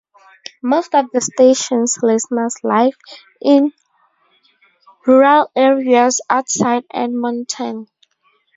Most of the stations listeners live in rural areas outside Edmonton.